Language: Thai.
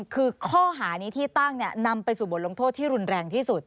คือข้อหานี้ที่ตั้งนำไปสู่บทลงโทษที่รุนแรงที่สุด